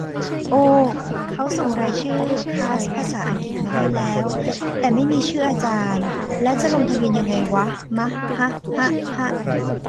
โอ้ เขาส่งรายชื่อคลาสภาษาอังกฤษมาให้แล้ว แต่ไม่มีชื่ออาจารย์ แล้วจะลงทะเบียนยังไงวะมะฮะ ฮะ ฮะ